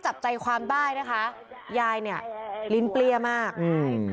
ใจความบ้ายนะคะยายเนี่ยลิ้นเปรี้ยมากอืม